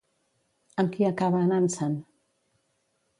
Amb qui acaba anant-se'n?